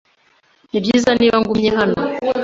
Nibyiza niba ngumye hano?